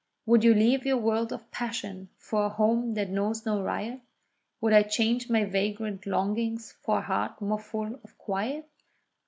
Would you leave your world of passion for a home that knows no riot? Would I change my vagrant longings for a heart more full of quiet?